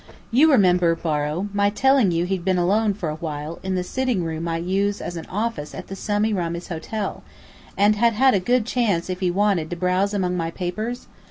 You remember, Borrow, my telling you he'd been alone for a while in the sitting room I use as an office at the Semiramis Hotel, and had had a good chance if he wanted to browse among my papers?